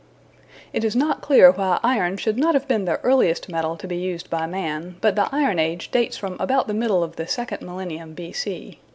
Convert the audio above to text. It is not clear why iron should not have been the earliest metal to be used by man, but the Iron Age dates from about the middle of the second millennium B.C.